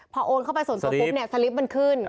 พอโอนเข้าไปส่วนตัวปุ๊บเนี่ยสลิปมันขึ้น